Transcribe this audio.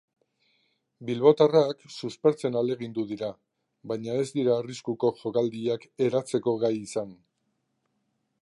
Bilbotarrak suspertzen ahalegindu dira, baina ez dira arriskuko jokaldiak eratzeko gai izan.